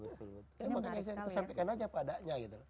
makanya kita sampaikan aja apa adanya gitu loh